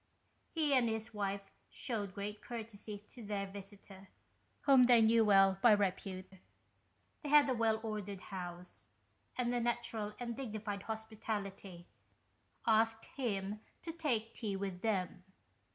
He and his wife shewed great courtesy to their visitor, whom they knew well by repute. They had a well ordered house, and with a natural and dignified hospitality, asked him to take tea with them.